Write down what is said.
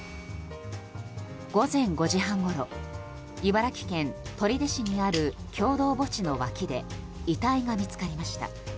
午前５時半ごろ茨城県取手市にある共同墓地の脇で遺体が見つかりました。